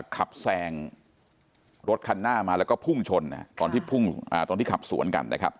ขับแซงรถคันหน้ามาแล้วก็พุ่งชนตอนที่ขับสวนกันนะครับ